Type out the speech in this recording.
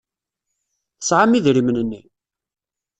Tesɛam idrimen-nni?